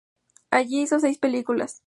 Allí hizo seis películas.